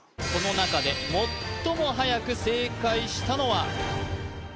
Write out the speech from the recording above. この中で最もはやく正解したのは？